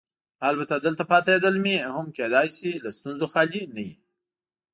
البته دلته پاتې کېدل مې هم کیدای شي له ستونزو خالي نه وي.